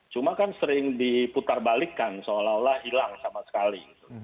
cuma kan sering diputar balikkan seolah olah hilang sama sekali